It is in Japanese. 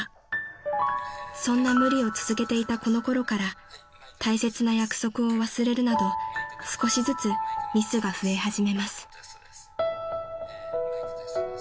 ［そんな無理を続けていたこのころから大切な約束を忘れるなど少しずつミスが増え始めます］